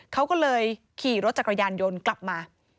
เขาก็เลยขี่รถจักรยานยนต์กลับมา